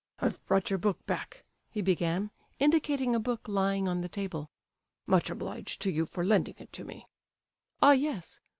"I've brought your book back," he began, indicating a book lying on the table. "Much obliged to you for lending it to me." "Ah, yes.